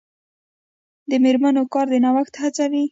د میرمنو کار د نوښت هڅوي.